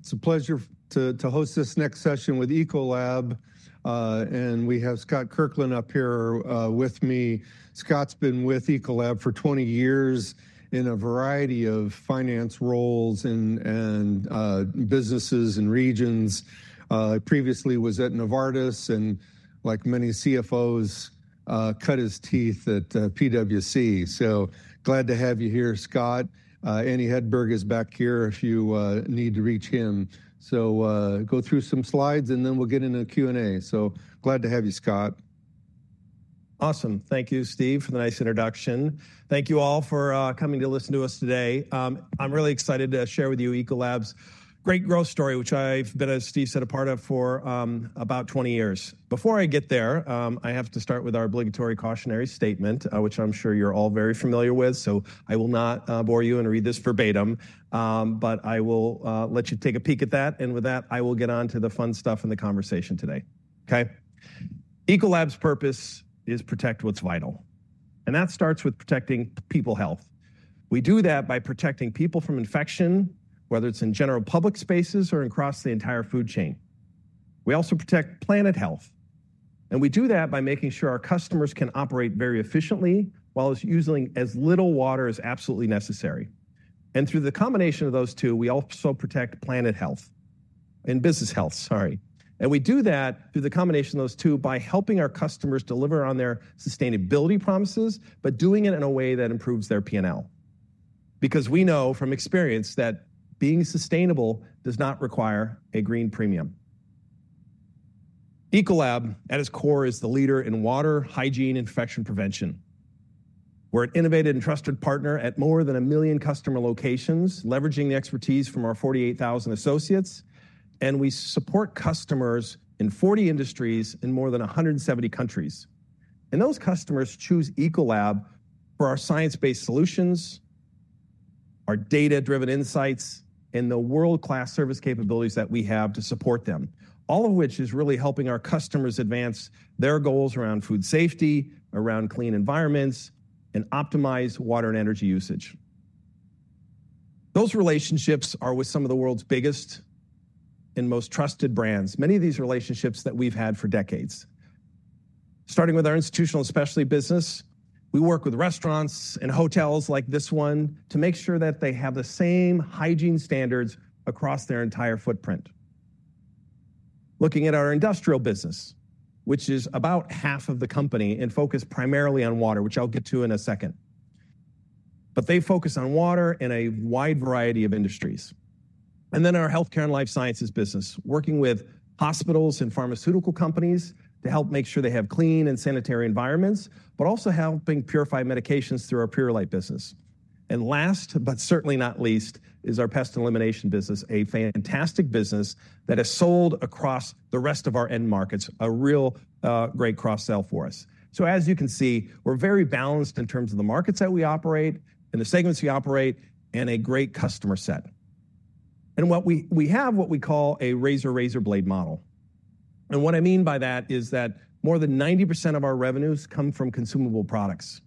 It's a pleasure to host this next session with Ecolab, and we have Scott Kirkland up here with me. Scott's been with Ecolab for 20 years in a variety of finance roles and businesses and regions. Previously, he was at Novartis and, like many CFOs, cut his teeth at PwC. So, glad to have you here, Scott. Andy Hedberg is back here if you need to reach him. So, go through some slides and then we'll get into Q&A. So, glad to have you, Scott. Awesome. Thank you, Steve, for the nice introduction. Thank you all for coming to listen to us today. I'm really excited to share with you Ecolab's great growth story, which I've been, as Steve said, a part of for about 20 years. Before I get there, I have to start with our obligatory cautionary statement, which I'm sure you're all very familiar with. So, I will not bore you and read this verbatim, but I will let you take a peek at that. And with that, I will get on to the fun stuff in the conversation today. Okay. Ecolab's purpose is to protect what's vital. And that starts with protecting people's health. We do that by protecting people from infection, whether it's in general public spaces or across the entire food chain. We also protect planet health. And we do that by making sure our customers can operate very efficiently while using as little water as absolutely necessary. And through the combination of those two, we also protect planet health and business health, sorry. And we do that through the combination of those two by helping our customers deliver on their sustainability promises, but doing it in a way that improves their P&L. Because we know from experience that being sustainable does not require a green premium. Ecolab, at its core, is the leader in water, hygiene, and infection prevention. We're an innovative and trusted partner at more than a million customer locations, leveraging the expertise from our 48,000 associates. And we support customers in 40 industries in more than 170 countries. And those customers choose Ecolab for our science-based solutions, our data-driven insights, and the world-class service capabilities that we have to support them, all of which is really helping our customers advance their goals around food safety, around clean environments, and optimize water and energy usage. Those relationships are with some of the world's biggest and most trusted brands, many of these relationships that we've had for decades. Starting with our institutional specialty business, we work with restaurants and hotels like this one to make sure that they have the same hygiene standards across their entire footprint. Looking at our industrial business, which is about half of the company and focused primarily on water, which I'll get to in a second. But they focus on water in a wide variety of industries. Our healthcare and life sciences business works with hospitals and pharmaceutical companies to help make sure they have clean and sanitary environments, but also helps purify medications through our Purolite business. Last, but certainly not least, is our pest elimination business, a fantastic business that sells across the rest of our end markets, a real great cross-sell for us. As you can see, we're very balanced in terms of the markets that we operate in and the segments we operate in and a great customer set. We have what we call a razor/razor blade model. What I mean by that is that more than 90% of our revenues come from consumable products.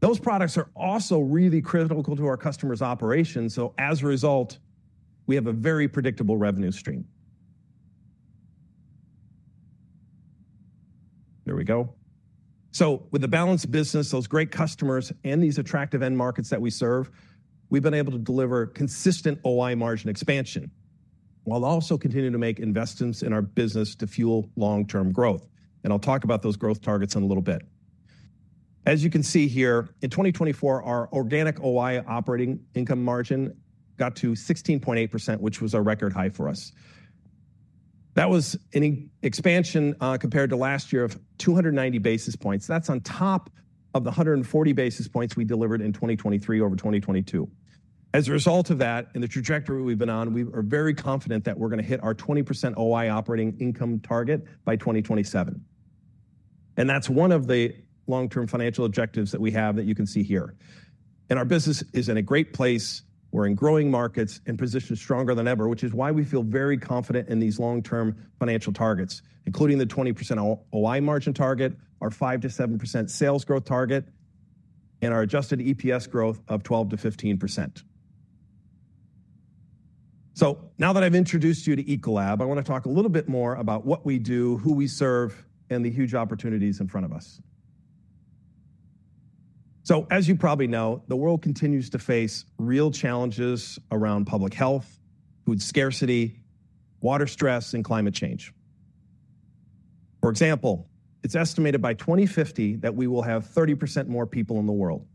Those products are also really critical to our customers' operations. As a result, we have a very predictable revenue stream. There we go. With a balanced business, those great customers, and these attractive end markets that we serve, we've been able to deliver consistent OI margin expansion while also continuing to make investments in our business to fuel long-term growth. I'll talk about those growth targets in a little bit. As you can see here, in 2024, our organic OI operating income margin got to 16.8%, which was a record high for us. That was an expansion compared to last year of 290 basis points. That's on top of the 140 basis points we delivered in 2023 over 2022. As a result of that, in the trajectory we've been on, we are very confident that we're going to hit our 20% OI operating income target by 2027. That's one of the long-term financial objectives that we have that you can see here. Our business is in a great place. We're in growing markets and positioned stronger than ever, which is why we feel very confident in these long-term financial targets, including the 20% OI margin target, our 5%-7% sales growth target, and our adjusted EPS growth of 12%-15%. So, now that I've introduced you to Ecolab, I want to talk a little bit more about what we do, who we serve, and the huge opportunities in front of us. So, as you probably know, the world continues to face real challenges around public health, food scarcity, water stress, and climate change. For example, it's estimated by 2050 that we will have 30% more people in the world.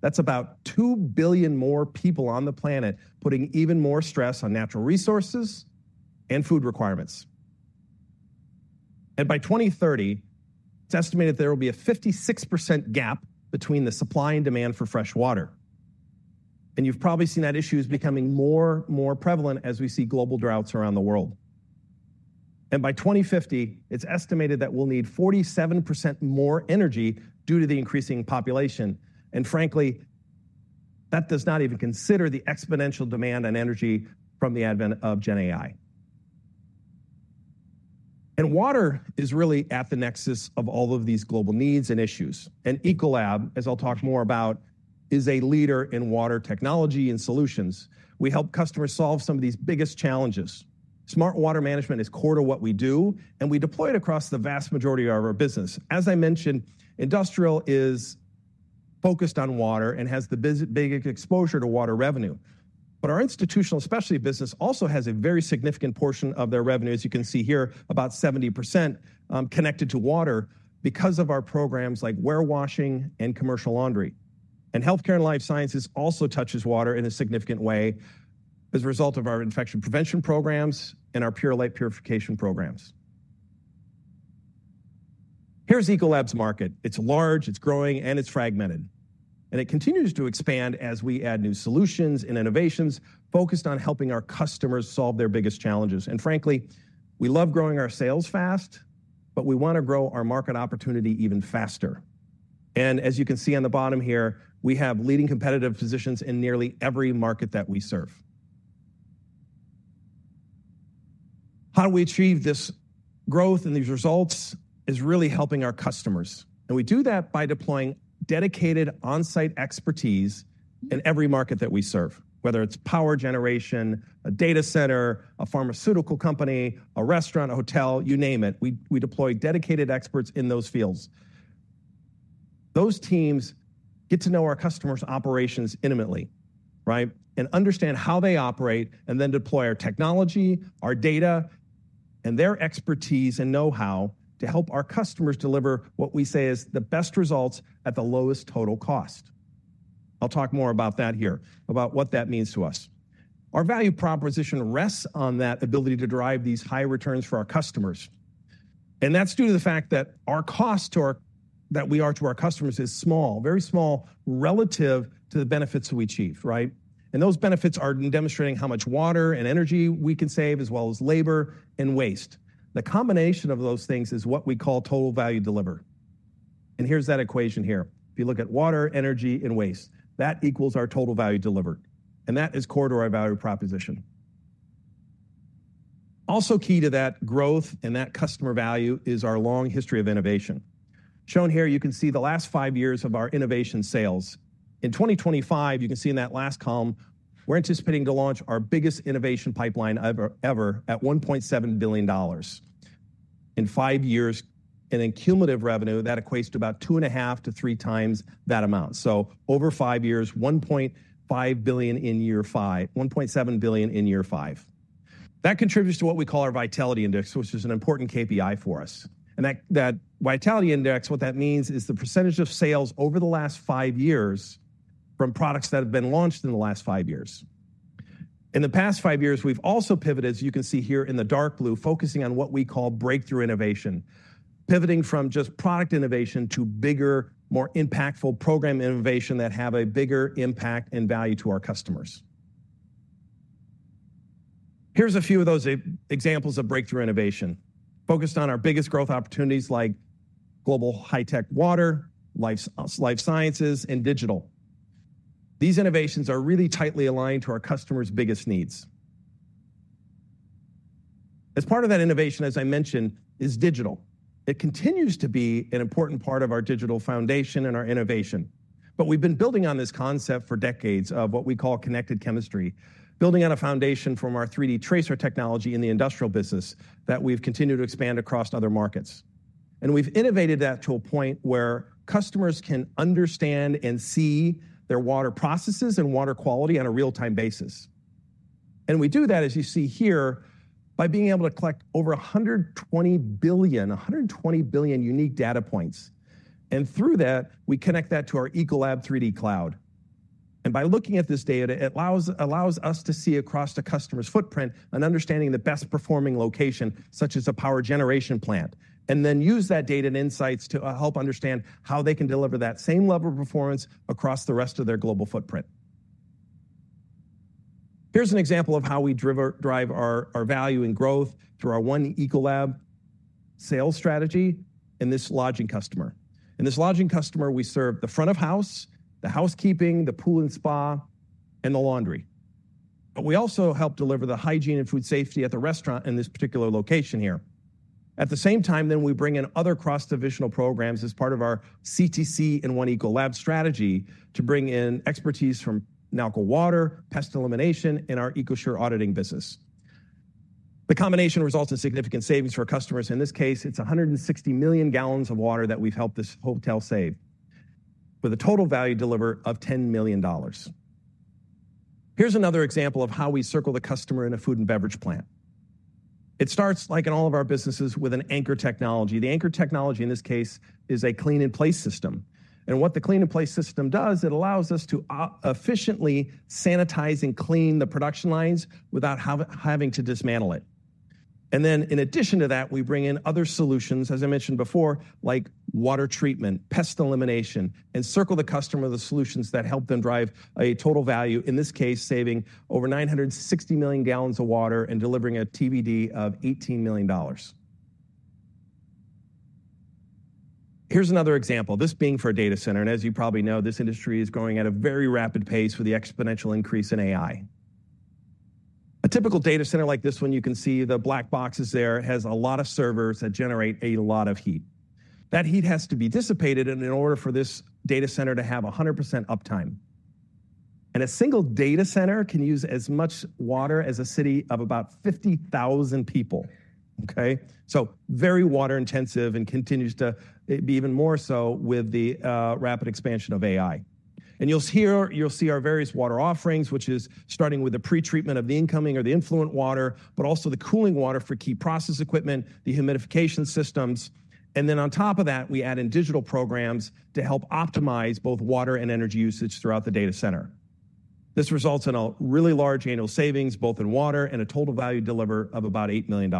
That's about 2 billion more people on the planet putting even more stress on natural resources and food requirements. By 2030, it's estimated that there will be a 56% gap between the supply and demand for fresh water. You've probably seen that the issue is becoming more and more prevalent as we see global droughts around the world. By 2050, it's estimated that we'll need 47% more energy due to the increasing population. Frankly, that does not even consider the exponential demand on energy from the advent of GenAI. Water is really at the nexus of all of these global needs and issues. Ecolab, as I'll talk more about, is a leader in water technology and solutions. We help customers solve some of the biggest challenges. Smart water management is core to what we do, and we deploy it across the vast majority of our business. As I mentioned, industrial is focused on water and has the biggest exposure to water revenue. Our institutional specialty business also has a very significant portion of their revenue, as you can see here, about 70% connected to water because of our programs like warewashing and commercial laundry. Healthcare and life sciences also touch water in a significant way as a result of our infection prevention programs and our Purolite purification programs. Here's Ecolab's market. It's large, it's growing, and it's fragmented. It continues to expand as we add new solutions and innovations focused on helping our customers solve their biggest challenges. Frankly, we love growing our sales fast, but we want to grow our market opportunity even faster. As you can see on the bottom here, we have leading competitive positions in nearly every market that we serve. How do we achieve this growth and these results? It's really helping our customers. And we do that by deploying dedicated on-site expertise in every market that we serve, whether it's power generation, a data center, a pharmaceutical company, a restaurant, a hotel, you name it. We deploy dedicated experts in those fields. Those teams get to know our customers' operations intimately, right? And understand how they operate and then deploy our technology, our data, and their expertise and know-how to help our customers deliver what we say is the best results at the lowest total cost. I'll talk more about that here, about what that means to us. Our value proposition rests on that ability to drive these high returns for our customers. And that's due to the fact that our cost to our customers is small, very small relative to the benefits we achieve, right? Those benefits are demonstrating how much water and energy we can save, as well as labor and waste. The combination of those things is what we call total value delivered. Here's that equation here. If you look at water, energy, and waste, that equals our total value delivered. That is core to our value proposition. Also key to that growth and that customer value is our long history of innovation. Shown here, you can see the last five years of our innovation sales. In 2025, you can see in that last column, we're anticipating to launch our biggest innovation pipeline ever at $1.7 billion in five years. In cumulative revenue, that equates to about two and a half to three times that amount. Over five years, $1.5 billion in year five, $1.7 billion in year five. That contributes to what we call our Vitality Index, which is an important KPI for us, and that Vitality Index, what that means is the percentage of sales over the last five years from products that have been launched in the last five years. In the past five years, we've also pivoted, as you can see here in the dark blue, focusing on what we call breakthrough innovation, pivoting from just product innovation to bigger, more impactful program innovation that have a bigger impact and value to our customers. Here's a few of those examples of breakthrough innovation focused on our biggest growth opportunities like Global High-Tech water, Life Sciences, and digital. These innovations are really tightly aligned to our customers' biggest needs. As part of that innovation, as I mentioned, is digital. It continues to be an important part of our digital foundation and our innovation. But we've been building on this concept for decades of what we call Connected Chemistry, building on a foundation from our 3D TRASAR technology in the industrial business that we've continued to expand across other markets. And we've innovated that to a point where customers can understand and see their water processes and water quality on a real-time basis. And we do that, as you see here, by being able to collect over 120 billion, 120 billion unique data points. And through that, we connect that to our Ecolab 3D Cloud. And by looking at this data, it allows us to see across the customer's footprint and understanding the best performing location, such as a power generation plant, and then use that data and insights to help understand how they can deliver that same level of performance across the rest of their global footprint. Here's an example of how we drive our value and growth through our One Ecolab sales strategy and this lodging customer. In this lodging customer, we serve the front of house, the housekeeping, the pool and spa, and the laundry. But we also help deliver the hygiene and food safety at the restaurant in this particular location here. At the same time, then we bring in other cross-divisional programs as part of our CTC and One Ecolab strategy to bring in expertise from Nalco Water, pest elimination, and our EcoSure auditing business. The combination results in significant savings for our customers. In this case, it's 160 million gallons of water that we've helped this hotel save, with a total value delivered of $10 million. Here's another example of how we Circle the Customer in a food and beverage plant. It starts, like in all of our businesses, with an anchor technology. The anchor technology in this case is a clean-in-place system. What the clean-in-place system does, it allows us to efficiently sanitize and clean the production lines without having to dismantle it. Then, in addition to that, we bring in other solutions, as I mentioned before, like water treatment, pest elimination, and Circle the Customer with the solutions that help them drive a total value, in this case, saving over 960 million gallons of water and delivering a TBD of $18 million. Here's another example, this being for a data center. As you probably know, this industry is growing at a very rapid pace with the exponential increase in AI. A typical data center like this one, you can see the black boxes there, has a lot of servers that generate a lot of heat. That heat has to be dissipated in order for this data center to have 100% uptime. And a single data center can use as much water as a city of about 50,000 people, okay? So, very water intensive and continues to be even more so with the rapid expansion of AI. And you'll see our various water offerings, which is starting with the pretreatment of the incoming or the influent water, but also the cooling water for key process equipment, the humidification systems. And then on top of that, we add in digital programs to help optimize both water and energy usage throughout the data center. This results in a really large annual savings, both in water and a Total Value Delivered of about $8 million.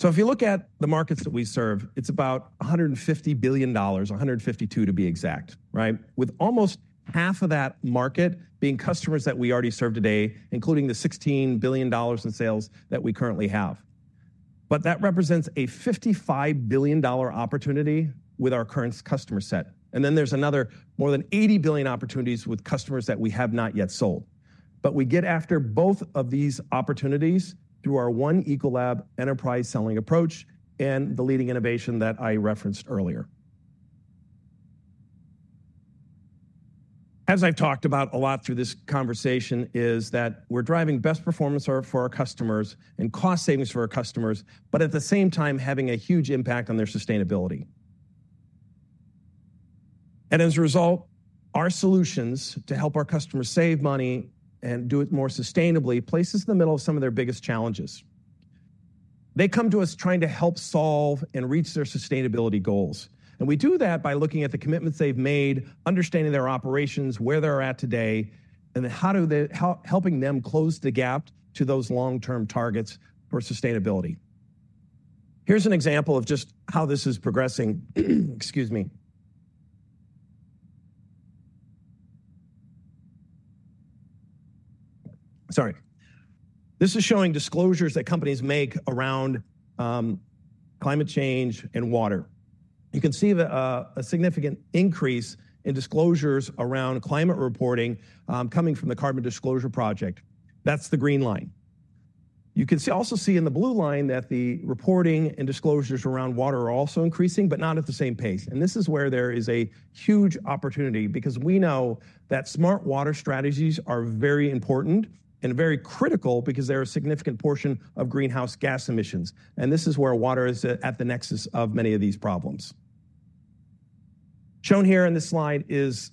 So, if you look at the markets that we serve, it's about $150 billion, $152 billion to be exact, right? With almost half of that market being customers that we already serve today, including the $16 billion in sales that we currently have. But that represents a $55 billion opportunity with our current customer set. And then there's another more than $80 billion opportunities with customers that we have not yet sold. But we get after both of these opportunities through our One Ecolab enterprise selling approach and the leading innovation that I referenced earlier. As I've talked about a lot through this conversation, is that we're driving best performance for our customers and cost savings for our customers, but at the same time, having a huge impact on their sustainability. And as a result, our solutions to help our customers save money and do it more sustainably places in the middle of some of their biggest challenges. They come to us trying to help solve and reach their sustainability goals. And we do that by looking at the commitments they've made, understanding their operations, where they're at today, and then how helping them close the gap to those long-term targets for sustainability. Here's an example of just how this is progressing. Excuse me. Sorry. This is showing disclosures that companies make around climate change and water. You can see a significant increase in disclosures around climate reporting coming from the Carbon Disclosure Project. That's the green line. You can also see in the blue line that the reporting and disclosures around water are also increasing, but not at the same pace. And this is where there is a huge opportunity because we know that smart water strategies are very important and very critical because they're a significant portion of greenhouse gas emissions. This is where water is at the nexus of many of these problems. Shown here on this slide is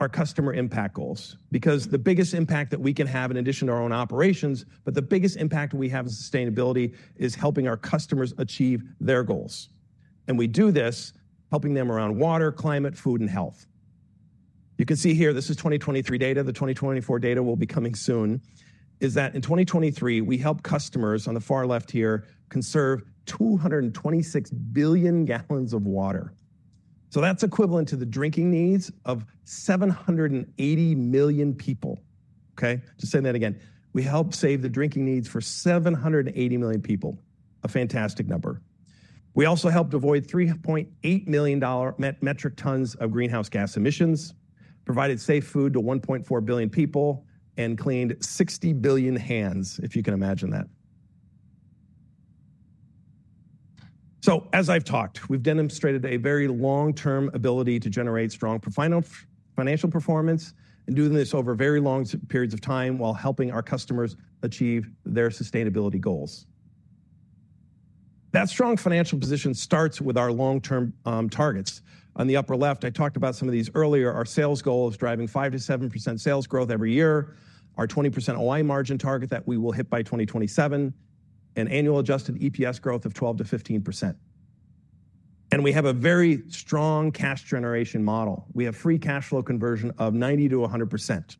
our customer impact goals. Because the biggest impact that we can have in addition to our own operations, but the biggest impact we have in sustainability is helping our customers achieve their goals. We do this helping them around water, climate, food, and health. You can see here, this is 2023 data. The 2024 data will be coming soon. That's in 2023, we help customers on the far left here conserve 226 billion gallons of water. So that's equivalent to the drinking needs of 780 million people. Okay? Just saying that again. We help save the drinking needs for 780 million people. A fantastic number. We also helped avoid 3.8 million metric tons of greenhouse gas emissions, provided safe food to 1.4 billion people, and cleaned 60 billion hands, if you can imagine that. So, as I've talked, we've demonstrated a very long-term ability to generate strong financial performance and do this over very long periods of time while helping our customers achieve their sustainability goals. That strong financial position starts with our long-term targets. On the upper left, I talked about some of these earlier. Our sales goal is driving 5%-7% sales growth every year, our 20% OI margin target that we will hit by 2027, and annual adjusted EPS growth of 12%-15%. And we have a very strong cash generation model. We have free cash flow conversion of 90%-100%.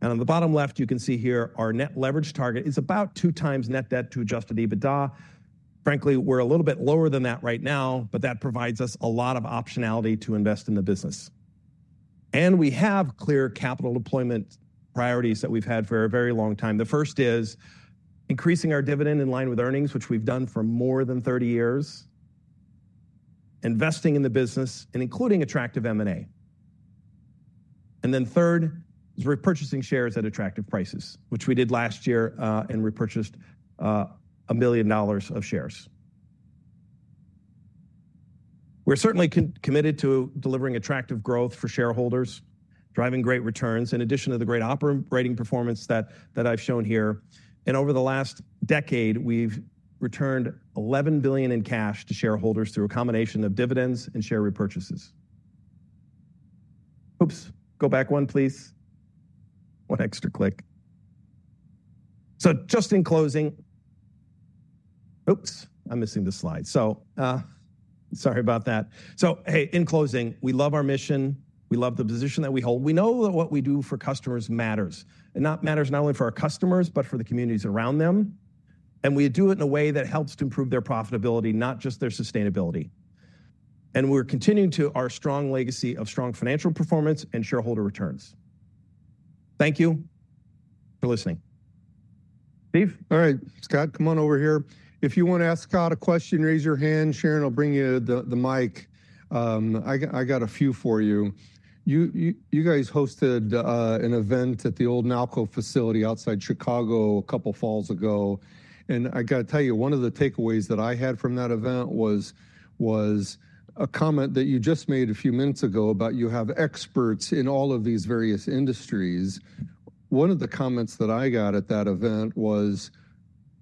And on the bottom left, you can see here our net leverage target is about two times net debt to adjusted EBITDA. Frankly, we're a little bit lower than that right now, but that provides us a lot of optionality to invest in the business. And we have clear capital deployment priorities that we've had for a very long time. The first is increasing our dividend in line with earnings, which we've done for more than 30 years, investing in the business, and including attractive M&A. And then third is repurchasing shares at attractive prices, which we did last year and repurchased $1 million of shares. We're certainly committed to delivering attractive growth for shareholders, driving great returns in addition to the great operating performance that I've shown here. And over the last decade, we've returned $11 billion in cash to shareholders through a combination of dividends and share repurchases. Oops. Go back one, please. One extra click. So, just in closing. Oops, I'm missing the slide. So, sorry about that. So, hey, in closing, we love our mission. We love the position that we hold. We know that what we do for customers matters. And that matters not only for our customers, but for the communities around them. And we do it in a way that helps to improve their profitability, not just their sustainability. And we're continuing to our strong legacy of strong financial performance and shareholder returns. Thank you for listening. Steve? All right, Scott, come on over here. If you want to ask Scott a question, raise your hand. Sharon will bring you the mic. I got a few for you. You guys hosted an event at the old Nalco facility outside Chicago a couple of falls ago. And I got to tell you, one of the takeaways that I had from that event was a comment that you just made a few minutes ago about you have experts in all of these various industries. One of the comments that I got at that event was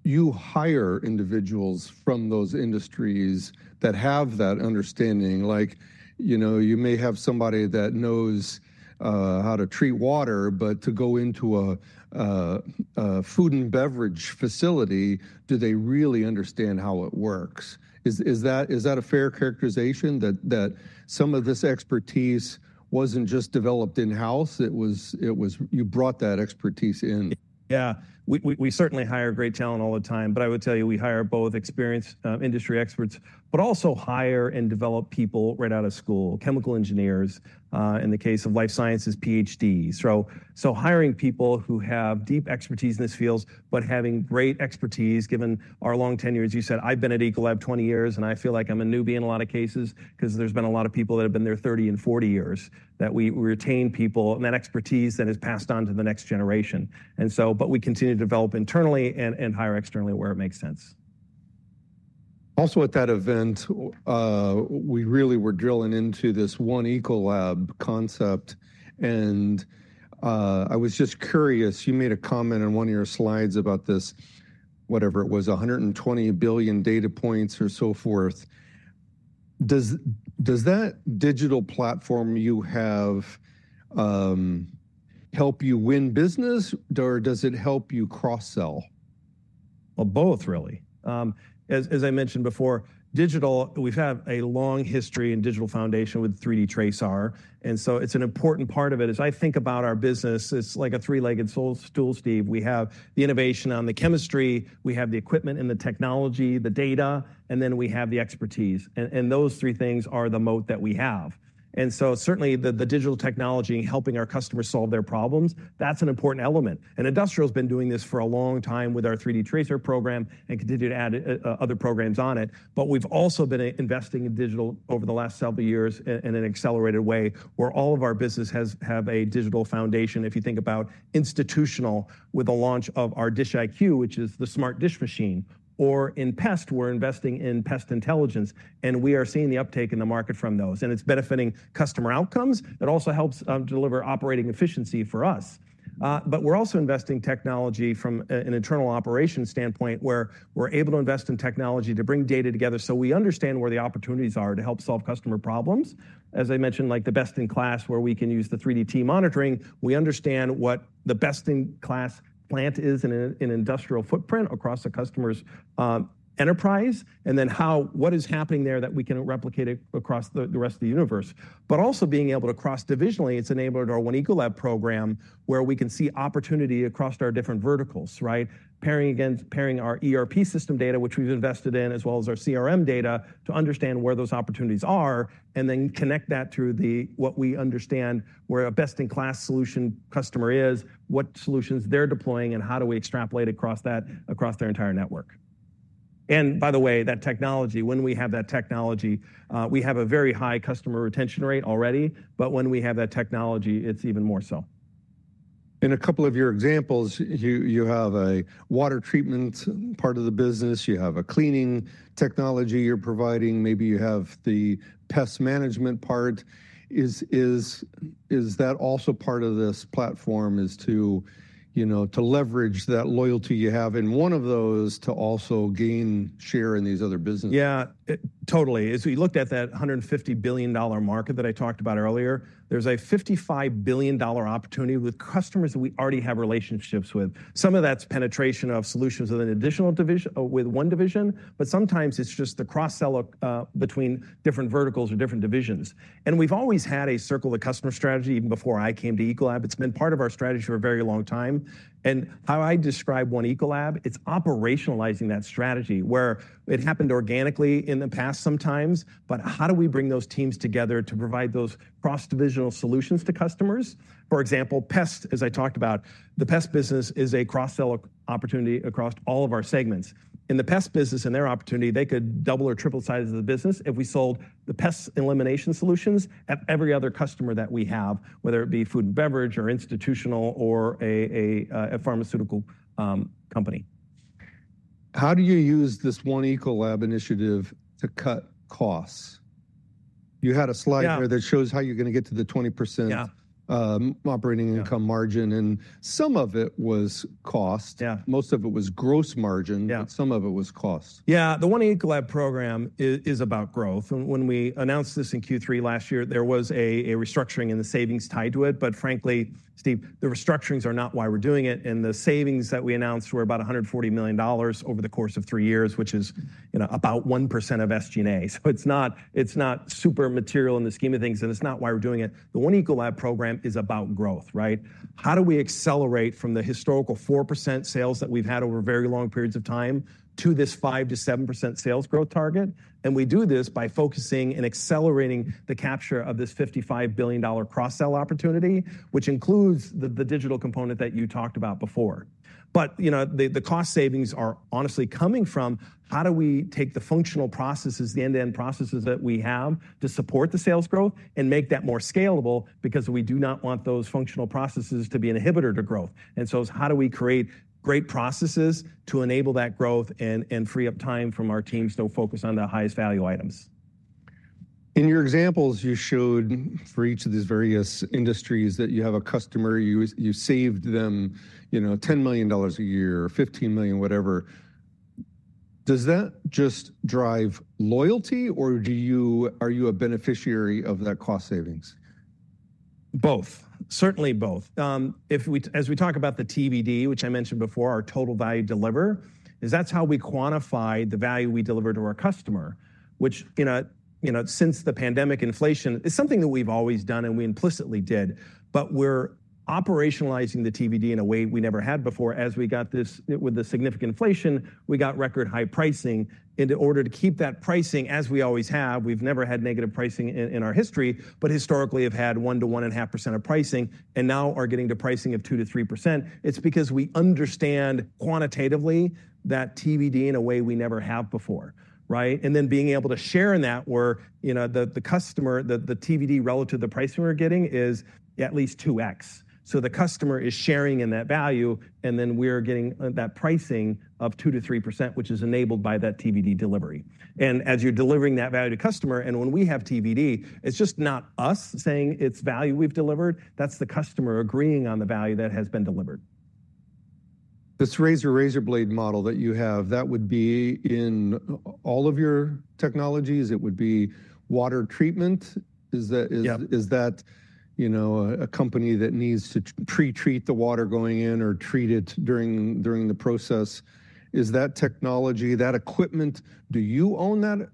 you hire individuals from those industries that have that understanding. Like, you may have somebody that knows how to treat water, but to go into a food and beverage facility, do they really understand how it works? Is that a fair characterization that some of this expertise wasn't just developed in-house? It was you brought that expertise in. Yeah. We certainly hire great talent all the time, but I would tell you we hire both experienced industry experts, but also hire and develop people right out of school, chemical engineers, in the case of life sciences, PhDs, so hiring people who have deep expertise in these fields, but having great expertise given our long tenure. As you said, I've been at Ecolab 20 years, and I feel like I'm a newbie in a lot of cases because there's been a lot of people that have been there 30 years and 40 years that we retain people and that expertise that is passed on to the next generation, and so, but we continue to develop internally and hire externally where it makes sense. Also, at that event, we really were drilling into this one Ecolab concept. I was just curious. You made a comment on one of your slides about this, whatever it was, 120 billion data points or so forth. Does that digital platform you have help you win business, or does it help you cross-sell? Both, really. As I mentioned before, digital, we've had a long history in digital foundation with 3D TRASAR. So, it's an important part of it. As I think about our business, it's like a three-legged stool, Steve. We have the innovation on the chemistry, we have the equipment and the technology, the data, and then we have the expertise. Those three things are the moat that we have. So, certainly, the digital technology in helping our customers solve their problems, that's an important element. Industrial has been doing this for a long time with our 3D TRASAR program and continued to add other programs on it. But we've also been investing in digital over the last several years in an accelerated way where all of our business has a digital foundation, if you think about institutional, with the launch of our DishIQ, which is the smart dish machine. Or in pest, we're investing in Pest Intelligence, and we are seeing the uptake in the market from those. And it's benefiting customer outcomes. It also helps deliver operating efficiency for us. But we're also investing technology from an internal operations standpoint where we're able to invest in technology to bring data together so we understand where the opportunities are to help solve customer problems. As I mentioned, like the best in class where we can use the 3D TRASAR monitoring, we understand what the best in class plant is in an industrial footprint across the customer's enterprise and then what is happening there that we can replicate across the rest of the universe. But also being able to cross-divisionally, it's enabled our One Ecolab program where we can see opportunity across our different verticals, right? Pairing our ERP system data, which we've invested in, as well as our CRM data to understand where those opportunities are and then connect that to what we understand where a best in class solution customer is, what solutions they're deploying, and how do we extrapolate across that their entire network. And by the way, that technology, when we have that technology, we have a very high customer retention rate already, but when we have that technology, it's even more so. In a couple of your examples, you have a water treatment part of the business, you have a cleaning technology you're providing, maybe you have the pest management part. Is that also part of this platform, to leverage that loyalty you have in one of those to also gain share in these other businesses? Yeah, totally. As we looked at that $150 billion market that I talked about earlier, there's a $55 billion opportunity with customers that we already have relationships with. Some of that's penetration of solutions with one division, but sometimes it's just the cross-sell between different verticals or different divisions. We've always had a Circle the Customer strategy even before I came to Ecolab. It's been part of our strategy for a very long time. How I describe One Ecolab, it's operationalizing that strategy where it happened organically in the past sometimes, but how do we bring those teams together to provide those cross-divisional solutions to customers? For example, pest, as I talked about, the pest business is a cross-sell opportunity across all of our segments. In the pest business and their opportunity, they could double or triple size the business if we sold the pest elimination solutions at every other customer that we have, whether it be food and beverage or institutional or a pharmaceutical company. How do you use this One Ecolab initiative to cut costs? You had a slide where that shows how you're going to get to the 20% operating income margin, and some of it was cost. Most of it was gross margin, but some of it was cost. Yeah, the One Ecolab program is about growth. When we announced this in Q3 last year, there was a restructuring in the savings tied to it. But frankly, Steve, the restructurings are not why we're doing it. The savings that we announced were about $140 million over the course of three years, which is about 1% of SG&A. It's not super material in the scheme of things, and it's not why we're doing it. The One Ecolab program is about growth, right? How do we accelerate from the historical 4% sales that we've had over very long periods of time to this 5%-7% sales growth target? We do this by focusing and accelerating the capture of this $55 billion cross-sell opportunity, which includes the digital component that you talked about before. The cost savings are honestly coming from how do we take the functional processes, the end-to-end processes that we have to support the sales growth and make that more scalable because we do not want those functional processes to be an inhibitor to growth. And so it's how do we create great processes to enable that growth and free up time from our teams to focus on the highest value items. In your examples, you showed for each of these various industries that you have a customer, you saved them $10 million a year, $15 million, whatever. Does that just drive loyalty, or are you a beneficiary of that cost savings? Both. Certainly both. As we talk about the TBD, which I mentioned before, our total value delivered, is that's how we quantify the value we deliver to our customer, which since the pandemic inflation, it's something that we've always done and we implicitly did, but we're operationalizing the TBD in a way we never had before. As we got this with the significant inflation, we got record high pricing. And in order to keep that pricing, as we always have, we've never had negative pricing in our history, but historically have had 1-1.5% of pricing and now are getting to pricing of 2%-3%. It's because we understand quantitatively that TBD in a way we never have before, right? And then being able to share in that where the customer, the TBD relative to the price we're getting is at least 2x. So the customer is sharing in that value, and then we're getting that pricing of 2%-3%, which is enabled by that TBD delivery. And as you're delivering that value to customer, and when we have TBD, it's just not us saying it's value we've delivered. That's the customer agreeing on the value that has been delivered. This razor razor blade model that you have, that would be in all of your technologies. It would be water treatment. Is that a company that needs to pre-treat the water going in or treat it during the process? Is that technology, that equipment, do you own that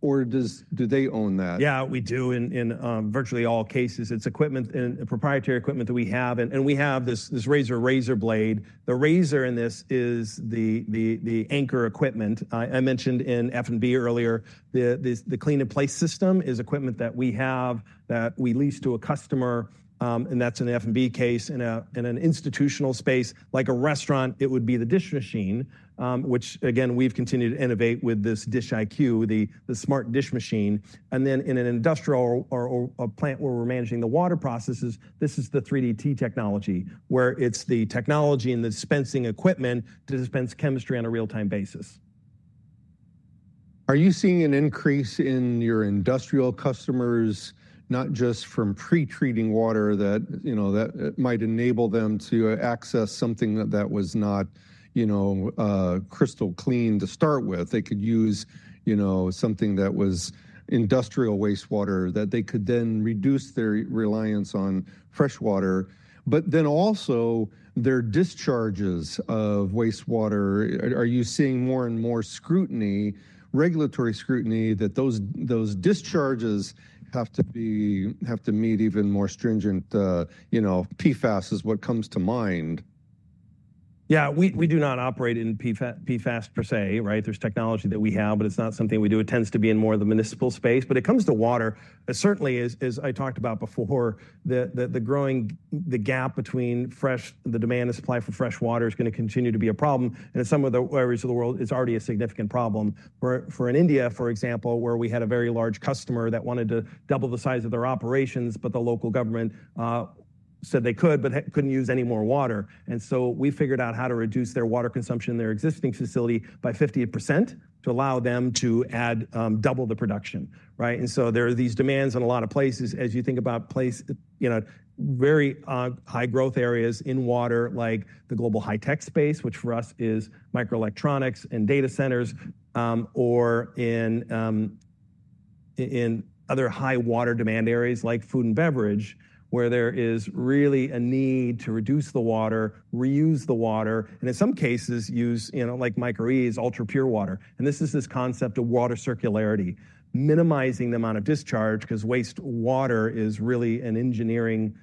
or do they own that? Yeah, we do in virtually all cases. It's equipment and proprietary equipment that we have. And we have this razor razor blade. The razor in this is the anchor equipment. I mentioned in F&B earlier, the clean-in-place system is equipment that we have that we lease to a customer. That's an F&B case in an institutional space, like a restaurant. It would be the dish machine, which again, we've continued to innovate with this DishIQ, the smart dish machine. Then in an industrial or a plant where we're managing the water processes, this is the 3D TRASAR technology where it's the technology and the dispensing equipment to dispense chemistry on a real-time basis. Are you seeing an increase in your industrial customers, not just from pre-treating water that might enable them to access something that was not crystal clean to start with? They could use something that was industrial wastewater that they could then reduce their reliance on freshwater. But then also their discharges of wastewater, are you seeing more and more scrutiny, regulatory scrutiny that those discharges have to meet even more stringent PFAS is what comes to mind? Yeah, we do not operate in PFAS per se, right? There's technology that we have, but it's not something we do. It tends to be in more of the municipal space. But it comes to water, certainly, as I talked about before, the gap between fresh, the demand and supply for freshwater is going to continue to be a problem. And in some of the areas of the world, it's already a significant problem. For India, for example, where we had a very large customer that wanted to double the size of their operations, but the local government said they could, but couldn't use any more water. And so we figured out how to reduce their water consumption in their existing facility by 50% to allow them to double the production, right? And so there are these demands in a lot of places. As you think about very high growth areas in water, like the Global High-Tech space, which for us is microelectronics and data centers, or in other high water demand areas like food and beverage, where there is really a need to reduce the water, reuse the water, and in some cases use like MicroE, ultra-pure water. And this is this concept of water circularity, minimizing the amount of discharge because waste water is really an engineering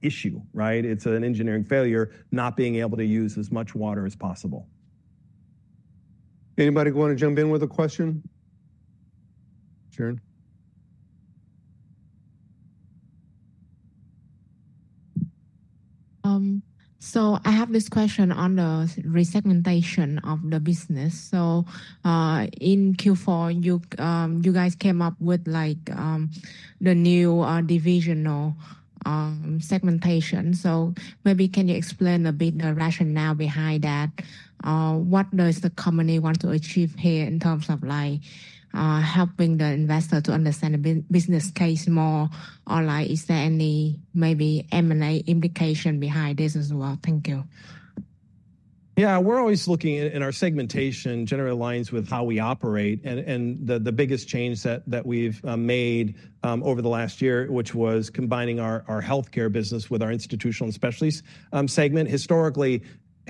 issue, right? It's an engineering failure, not being able to use as much water as possible. Anybody want to jump in with a question? Sharon? So I have this question on the resegmentation of the business. So in Q4, you guys came up with the new divisional segmentation. So maybe can you explain a bit the rationale behind that? What does the company want to achieve here in terms of helping the investor to understand the business case more? Or is there any maybe M&A implication behind this as well? Thank you. Yeah, we're always looking in our segmentation generally aligns with how we operate. And the biggest change that we've made over the last year, which was combining our Healthcare business with our Institutional and Specialty Segment. Historically,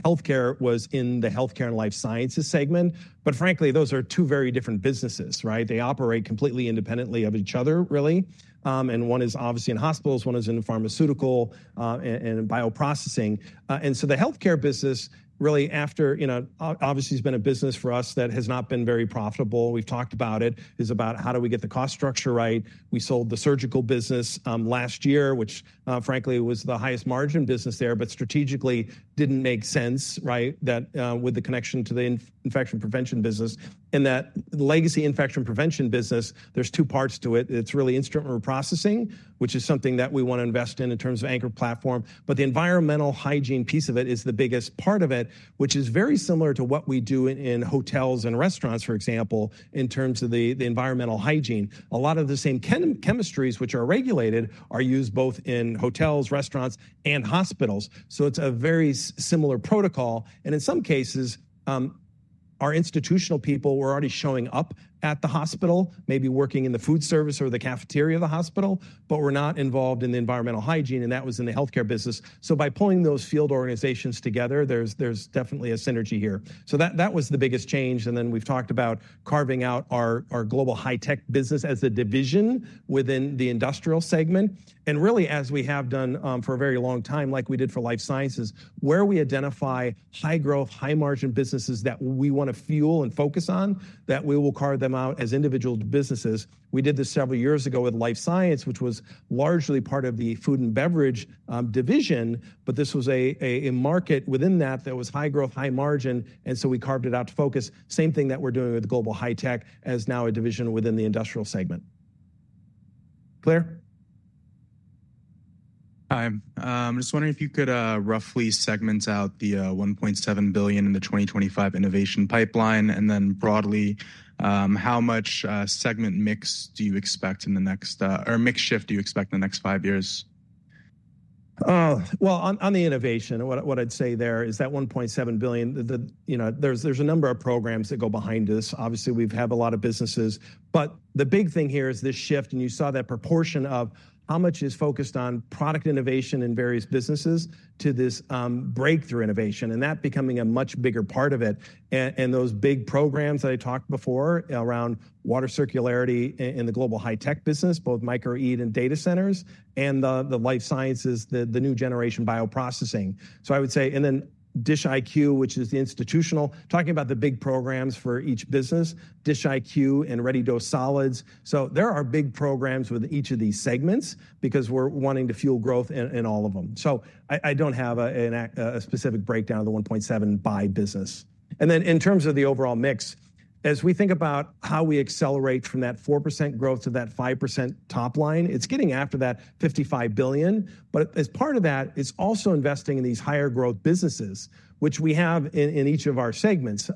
Healthcare was in the Healthcare and Life Sciences Segment. But frankly, those are two very different businesses, right? They operate completely independently of each other, really. And one is obviously in hospitals, one is in pharmaceutical and bioprocessing. And so the healthcare business, really, after obviously has been a business for us that has not been very profitable. We've talked about it. It's about how do we get the cost structure right? We sold the surgical business last year, which frankly was the highest margin business there, but strategically didn't make sense, right? With the connection to the infection prevention business. And that legacy infection prevention business, there's two parts to it. It's really instrument processing, which is something that we want to invest in in terms of anchor platform. But the environmental hygiene piece of it is the biggest part of it, which is very similar to what we do in hotels and restaurants, for example, in terms of the environmental hygiene. A lot of the same chemistries, which are regulated, are used both in hotels, restaurants, and hospitals. So it's a very similar protocol. And in some cases, our Institutional people were already showing up at the hospital, maybe working in the food service or the cafeteria of the hospital, but we're not involved in the environmental hygiene, and that was in the Healthcare business. So by pulling those field organizations together, there's definitely a synergy here. So that was the biggest change. And then we've talked about carving out our Global High-Tech business as a division within the Industrial Segment. And really, as we have done for a very long time, like we did for Life Sciences, where we identify high-growth, high-margin businesses that we want to fuel and focus on, that we will carve them out as individual businesses. We did this several years ago with Life Sciences, which was largely part of the Food and Beverage Division, but this was a market within that that was high-growth, high-margin. And so we carved it out to focus. Same thing that we're doing with Global High-Tech as now a division within the industrial segment. Claire? Hi. I'm just wondering if you could roughly segment out the $1.7 billion in the 2025 innovation pipeline. And then broadly, how much segment mix do you expect in the next or mixed shift do you expect in the next five years? Well, on the innovation, what I'd say there is that $1.7 billion, there's a number of programs that go behind us. Obviously, we've had a lot of businesses. But the big thing here is this shift, and you saw that proportion of how much is focused on product innovation in various businesses to this breakthrough innovation and that becoming a much bigger part of it. And those big programs that I talked about before around water circularity in the Global High-Tech business, both MicroE and data centers and the Life Sciences Segment, the new generation bioprocessing. So I would say, and then DishIQ, which is the Institutional and Specialty Segment, talking about the big programs for each business, DishIQ and Redi-Dose solids. So there are big programs with each of these segments because we're wanting to fuel growth in all of them. So I don't have a specific breakdown of the $1.7 by business. And then in terms of the overall mix, as we think about how we accelerate from that 4% growth to that 5% top line, it's getting after that $55 billion. But as part of that, it's also investing in these higher growth businesses, which we have in each of our segments.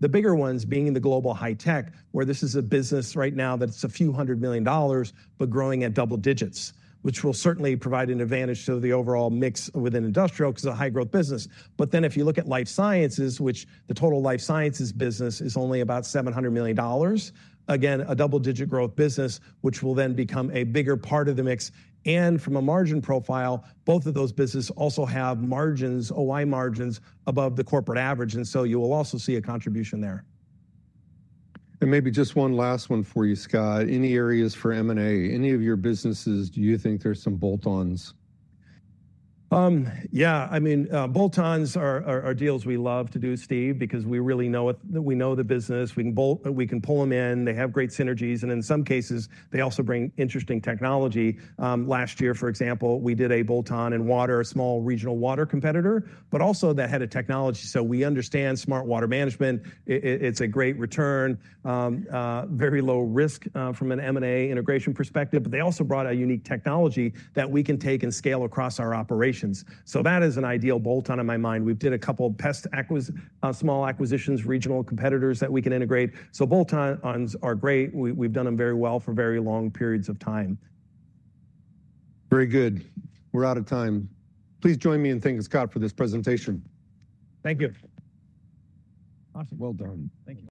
The bigger ones being in the Global High-Tech, where this is a business right now that's a few hundred million dollars, but growing at double digits, which will certainly provide an advantage to the overall mix within industrial because of the high-growth business. But then if you look at Life Sciences, which the total Life Sciences business is only about $700 million, again, a double-digit growth business, which will then become a bigger part of the mix. And from a margin profile, both of those businesses also have margins, OI margins above the corporate average. And so you will also see a contribution there. And maybe just one last one for you, Scott. Any areas for M&A? Any of your businesses, do you think there's some bolt-ons? Yeah, I mean, bolt-ons are deals we love to do, Steve, because we really know the business. We can pull them in. They have great synergies, and in some cases, they also bring interesting technology. Last year, for example, we did a bolt-on in water, a small regional water competitor, but also that had a technology, so we understand smart water management. It's a great return, very low risk from an M&A integration perspective, but they also brought a unique technology that we can take and scale across our operations, so that is an ideal bolt-on in my mind. We've done a couple of small acquisitions, regional competitors that we can integrate, so bolt-ons are great. We've done them very well for very long periods of time. Very good. We're out of time. Please join me in thanking Scott for this presentation. Thank you. Awesome. Well done. Thank you.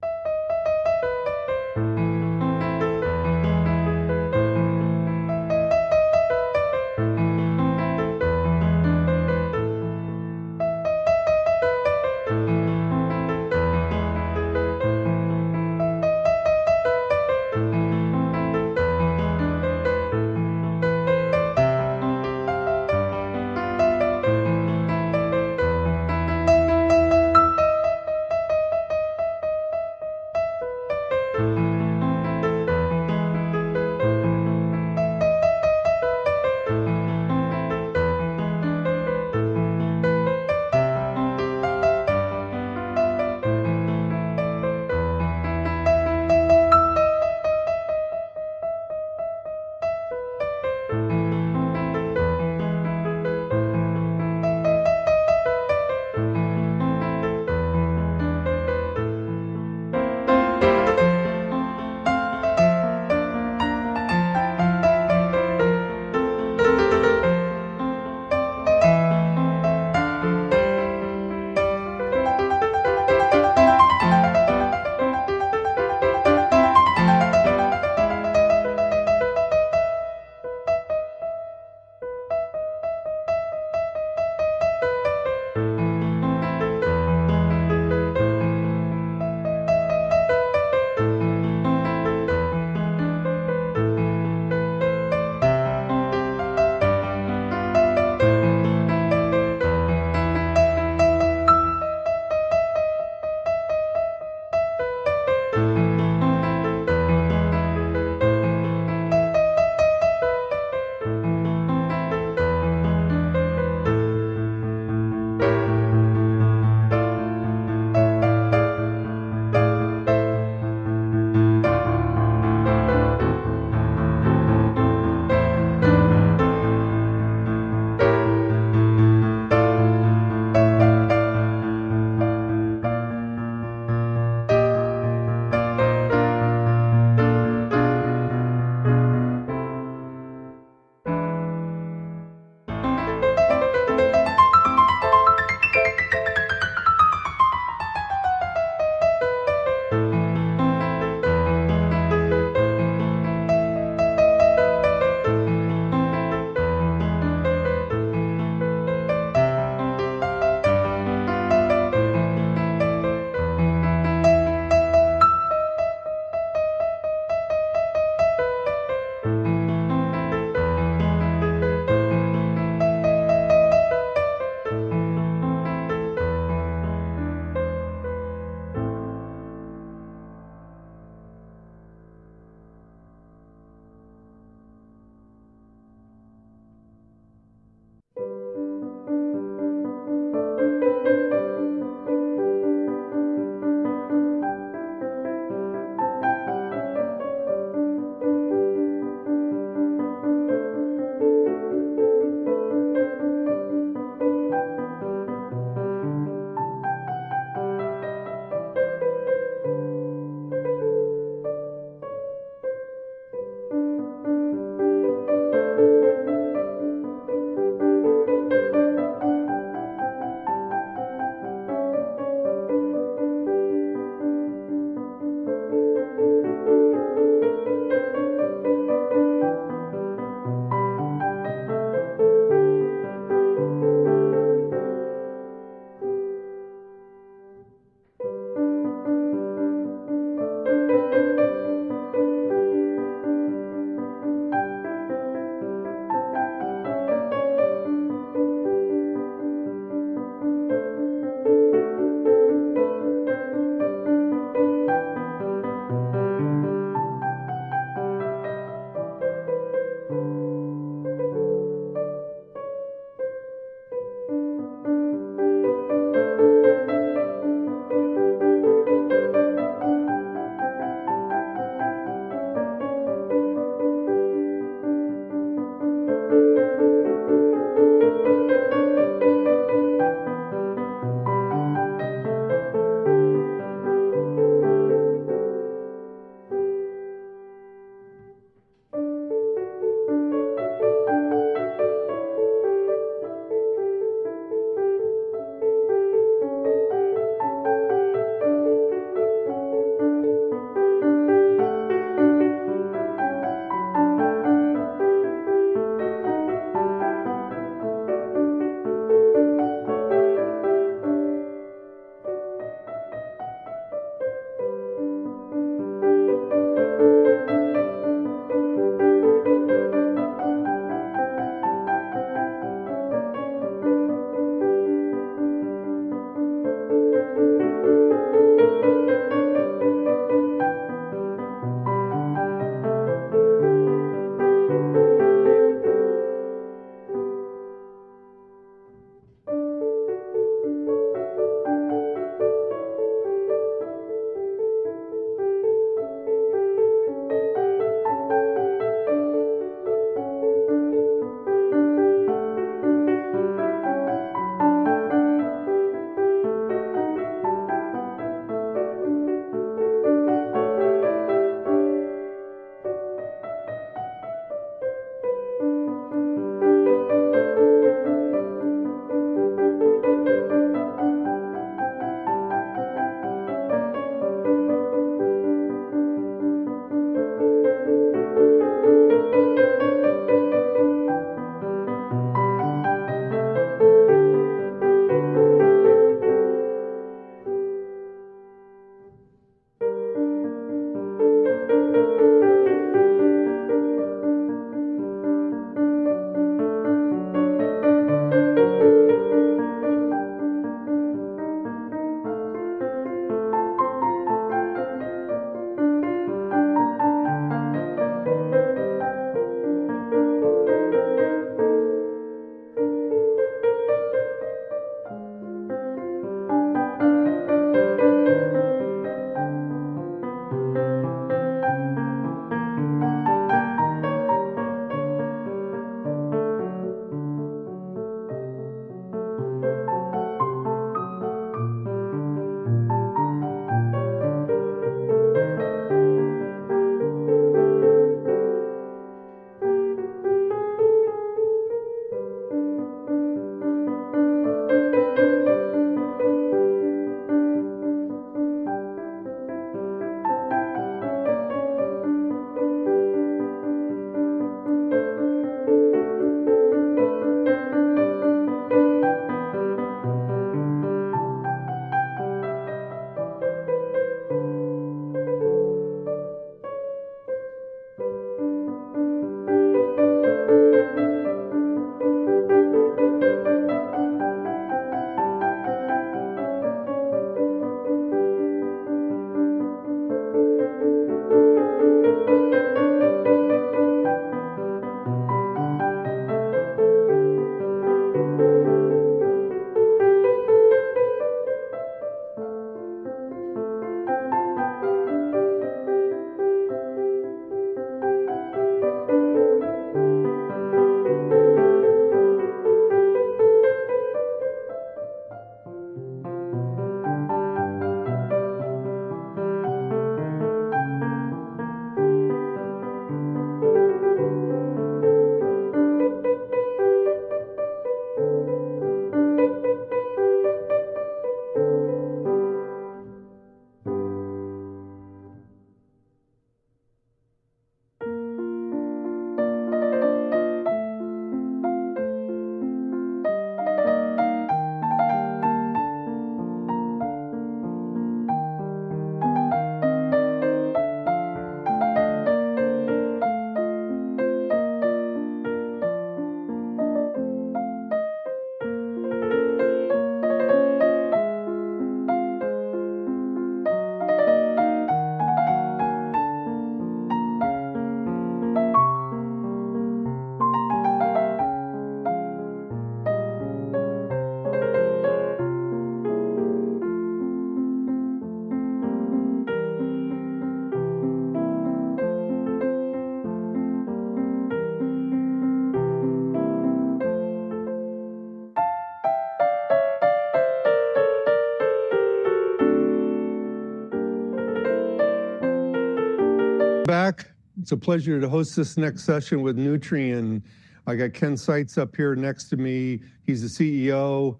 Back. It's a pleasure to host this next session with Nutrien. I got Ken Seitz up here next to me. He's a CEO.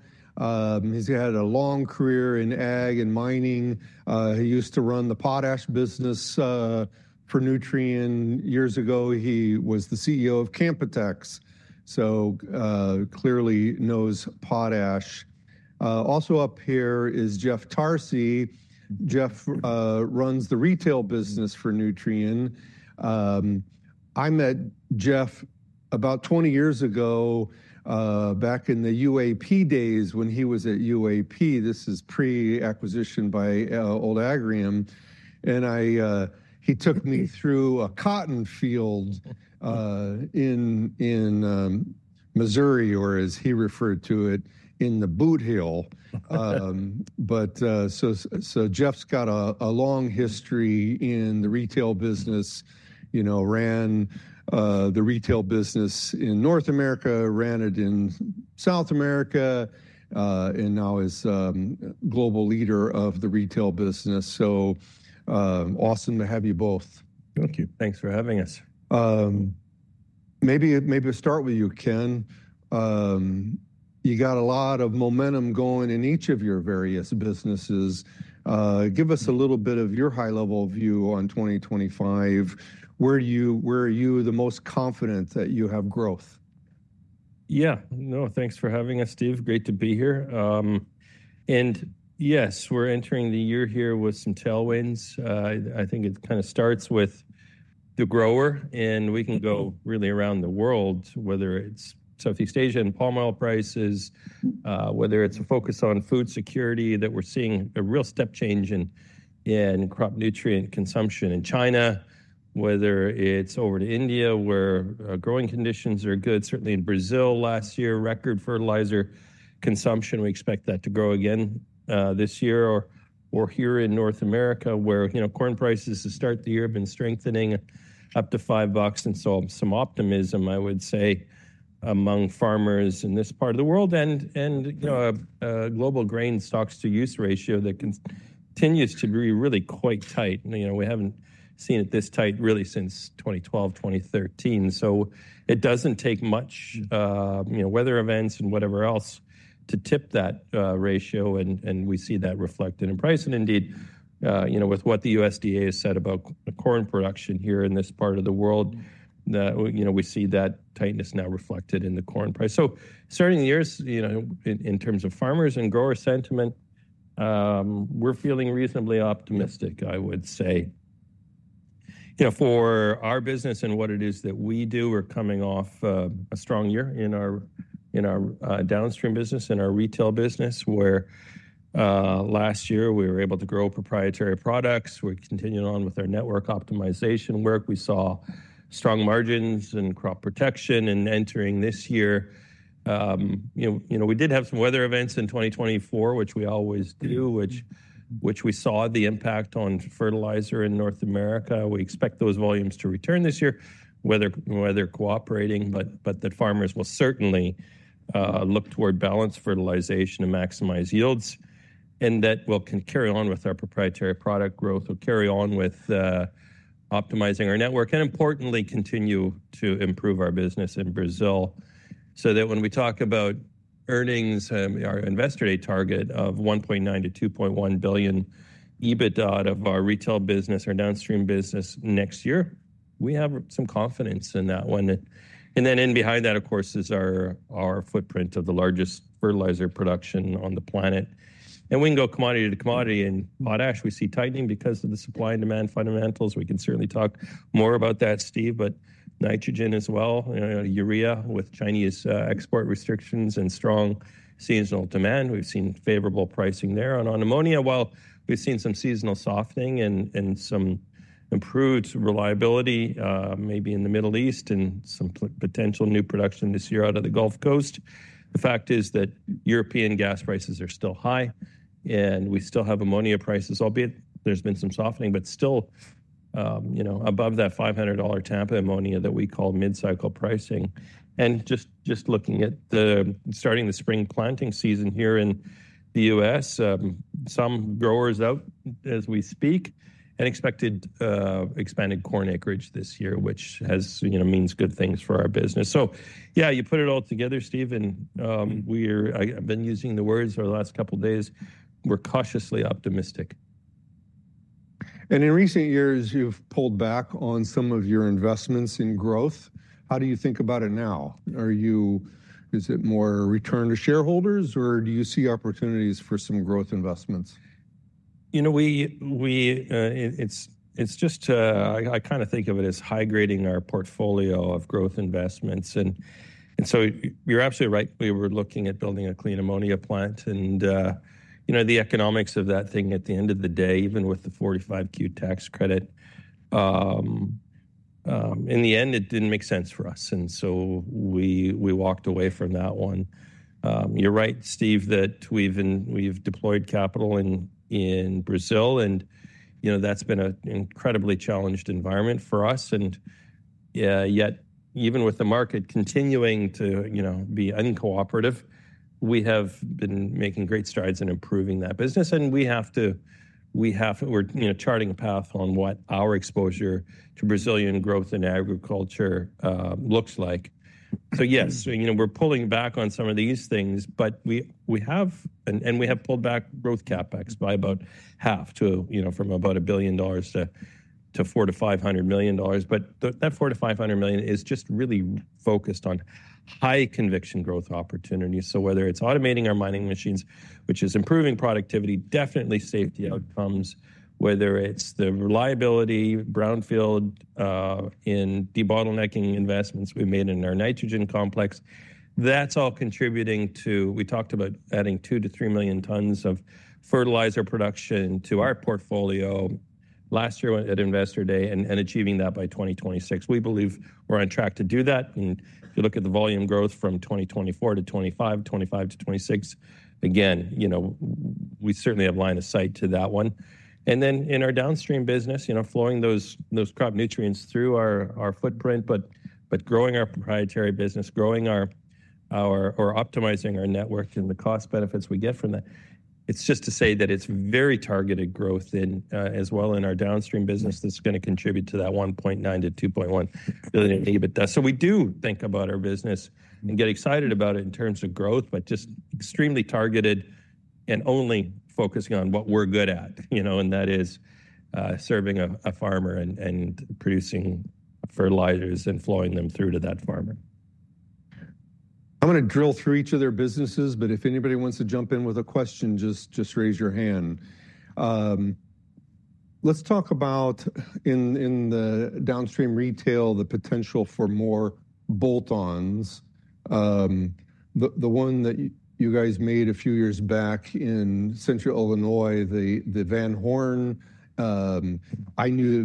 He's had a long career in ag and mining. He used to run the potash business for Nutrien. Years ago, he was the CEO of Canpotex. So clearly knows potash. Also up here is Jeff Tarsi. Jeff runs the retail business for Nutrien. I met Jeff about 20 years ago, back in the UAP days when he was at UAP. This is pre-acquisition by old Agrium. And he took me through a cotton field in Missouri, or as he referred to it, in the Bootheel. But so Jeff's got a long history in the retail business, ran the retail business in North America, ran it in South America, and now is global leader of the retail business. So awesome to have you both. Thank you. Thanks for having us. Maybe we'll start with you, Ken. You got a lot of momentum going in each of your various businesses. Give us a little bit of your high-level view on 2025. Where are you the most confident that you have growth? Yeah. No, thanks for having us, Steve. Great to be here. And yes, we're entering the year here with some tailwinds. I think it kind of starts with the grower, and we can go really around the world, whether it's Southeast Asia and palm oil prices, whether it's a focus on food security that we're seeing a real step change in crop nutrient consumption in China, whether it's over to India where growing conditions are good. Certainly in Brazil last year, record fertilizer consumption. We expect that to grow again this year or here in North America where corn prices to start the year have been strengthening up to $5 and saw some optimism, I would say, among farmers in this part of the world and a global grain stocks-to-use ratio that continues to be really quite tight. We haven't seen it this tight really since 2012, 2013. So it doesn't take much weather events and whatever else to tip that ratio. And we see that reflected in price. And indeed, with what the USDA has said about corn production here in this part of the world, we see that tightness now reflected in the corn price. So starting the year in terms of farmers and grower sentiment, we're feeling reasonably optimistic, I would say, for our business and what it is that we do. We're coming off a strong year in our downstream business, in our retail business, where last year we were able to grow proprietary products. We're continuing on with our network optimization work. We saw strong margins in crop protection. And entering this year, we did have some weather events in 2024, which we always do, which we saw the impact on fertilizer in North America. We expect those volumes to return this year, weather cooperating, but that farmers will certainly look toward balanced fertilization to maximize yields. And that will carry on with our proprietary product growth. We'll carry on with optimizing our network and, importantly, continue to improve our business in Brazil. So that when we talk about earnings, our investor-day target of $1.9-$2.1 billion EBITDA out of our retail business, our downstream business next year, we have some confidence in that one. And then in behind that, of course, is our footprint of the largest fertilizer production on the planet. And we can go commodity to commodity. In potash, we see tightening because of the supply and demand fundamentals. We can certainly talk more about that, Steve, but nitrogen as well, urea, with Chinese export restrictions and strong seasonal demand. We've seen favorable pricing there. And on ammonia, while we've seen some seasonal softening and some improved reliability, maybe in the Middle East and some potential new production this year out of the Gulf Coast, the fact is that European gas prices are still high. And we still have ammonia prices, albeit there's been some softening, but still above that $500 per ton ammonia that we call mid-cycle pricing. And just looking at starting the spring planting season here in the U.S., some growers out as we speak and expected expanded corn acreage this year, which means good things for our business. So yeah, you put it all together, Steve. And I've been using the words over the last couple of days. We're cautiously optimistic. And in recent years, you've pulled back on some of your investments in growth. How do you think about it now? Is it more return to shareholders, or do you see opportunities for some growth investments? It's just I kind of think of it as high-grading our portfolio of growth investments. And so you're absolutely right. We were looking at building a clean ammonia plant. And the economics of that thing at the end of the day, even with the 45Q tax credit, in the end, it didn't make sense for us. And so we walked away from that one. You're right, Steve, that we've deployed capital in Brazil. And that's been an incredibly challenged environment for us. And yet, even with the market continuing to be uncooperative, we have been making great strides in improving that business. And we have to, we're charting a path on what our exposure to Brazilian growth in agriculture looks like. So yes, we're pulling back on some of these things, but we have, and we have pulled back growth CapEx by about half from about $1 billion to $400-$500 million. But that $400-$500 million is just really focused on high conviction growth opportunities. So whether it's automating our mining machines, which is improving productivity, definitely safety outcomes, whether it's the reliability, brownfield and debottlenecking investments we've made in our nitrogen complex, that's all contributing to, we talked about adding two to three million tons of fertilizer production to our portfolio last year at Investor Day and achieving that by 2026. We believe we're on track to do that. And if you look at the volume growth from 2024 to 2025, 2025 to 2026, again, we certainly have line of sight to that one. And then in our downstream business, flowing those crop nutrients through our footprint, but growing our proprietary business, growing our or optimizing our network and the cost benefits we get from that. It's just to say that it's very targeted growth as well in our downstream business that's going to contribute to that $1.9-2.1 billion EBITDA. So, we do think about our business and get excited about it in terms of growth, but just extremely targeted and only focusing on what we're good at, and that is serving a farmer and producing fertilizers and flowing them through to that farmer. I'm going to drill through each of their businesses, but if anybody wants to jump in with a question, just raise your hand. Let's talk about, in the downstream retail, the potential for more bolt-ons. The one that you guys made a few years back in Central Illinois, the Van Horn, I knew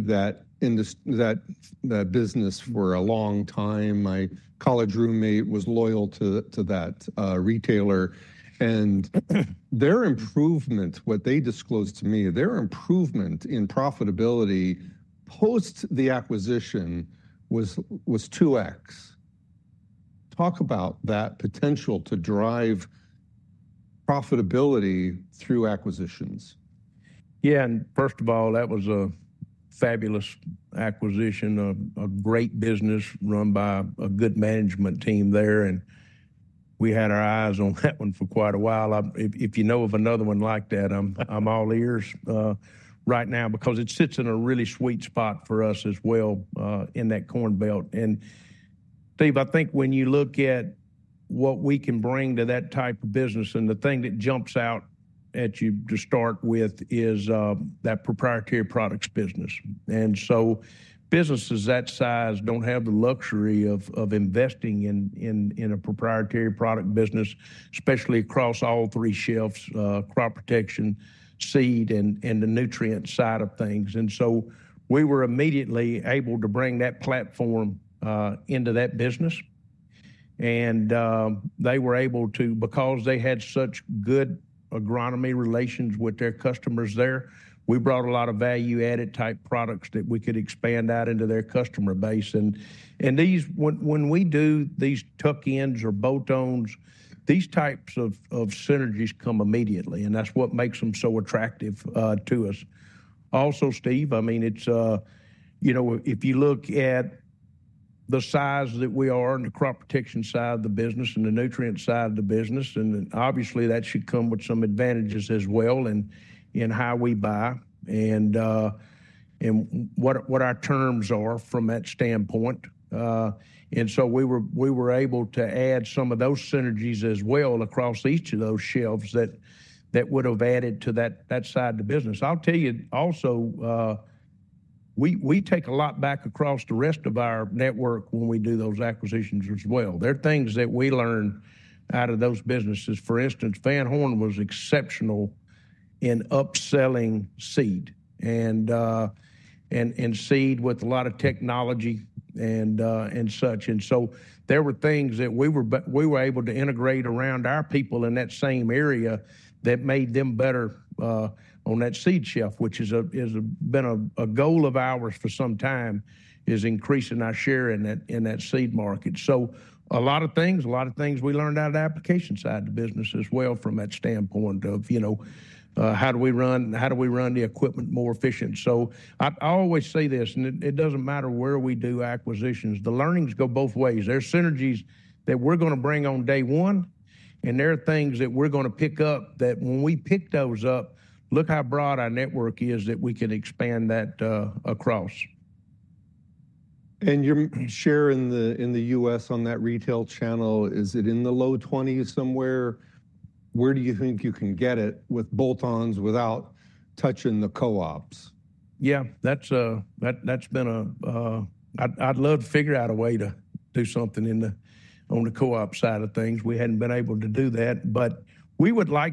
that business for a long time. My college roommate was loyal to that retailer, and their improvement, what they disclosed to me, their improvement in profitability post the acquisition was 2X. Talk about that potential to drive profitability through acquisitions. Yeah, and first of all, that was a fabulous acquisition, a great business run by a good management team there. And we had our eyes on that one for quite a while. If you know of another one like that, I'm all ears right now because it sits in a really sweet spot for us as well in that Corn Belt. And Steve, I think when you look at what we can bring to that type of business, and the thing that jumps out at you to start with is that proprietary products business. And so businesses that size don't have the luxury of investing in a proprietary product business, especially across all three shelves, crop protection, seed, and the nutrient side of things. And so we were immediately able to bring that platform into that business. And they were able to, because they had such good agronomy relations with their customers there, we brought a lot of value-added type products that we could expand out into their customer base. And when we do these tuck-ins or bolt-ons, these types of synergies come immediately. And that's what makes them so attractive to us. Also, Steve, I mean, if you look at the size that we are in the crop protection side of the business and the nutrient side of the business, and obviously that should come with some advantages as well in how we buy and what our terms are from that standpoint. And so we were able to add some of those synergies as well across each of those shelves that would have added to that side of the business. I'll tell you also, we take a lot back across the rest of our network when we do those acquisitions as well. There are things that we learn out of those businesses. For instance, Van Horn was exceptional in upselling seed and seed with a lot of technology and such, and so there were things that we were able to integrate around our people in that same area that made them better on that seed shelf, which has been a goal of ours for some time, is increasing our share in that seed market, so a lot of things, a lot of things we learned out of the application side of the business as well from that standpoint of how do we run the equipment more efficient. So I always say this, and it doesn't matter where we do acquisitions, the learnings go both ways. There are synergies that we're going to bring on day one, and there are things that we're going to pick up that when we pick those up, look how broad our network is that we can expand that across. And your share in the U.S. on that retail channel, is it in the low 20s somewhere? Where do you think you can get it with bolt-ons without touching the co-ops? Yeah, that's been a, I'd love to figure out a way to do something on the co-op side of things. We hadn't been able to do that, but we would like.